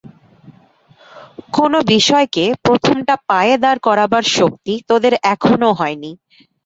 কোন বিষয়কে প্রথমটা পায়ে দাঁড় করাবার শক্তি তোদের এখনও হয়নি।